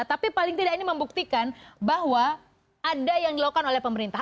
tapi paling tidak ini membuktikan bahwa ada yang dilakukan oleh pemerintah